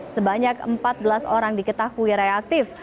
sebanyak empat belas orang diketahui reaktif